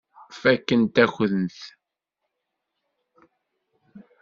Fakkent-akent-t.